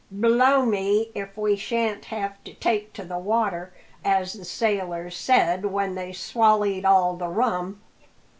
"Blow me, if we shan't have to take to the water, as the sailors said when they'd swallied all the rum."